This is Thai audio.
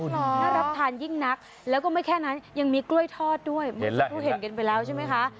น่ารับทานยิ่งนักแล้วก็ไม่แค่นั้นยังมีกล้วยทอดด้วยเห็นแล้วรู้เห็นกันไปแล้วใช่ไหมคะ